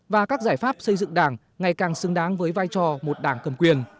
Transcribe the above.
và các giải pháp xây dựng đảng ngày càng xứng đáng với vai trò một đảng cầm quyền